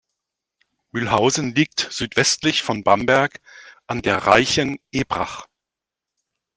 Mühlhausen liegt südwestlich von Bamberg an der Reichen Ebrach.